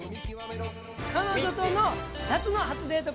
彼女との夏の初デート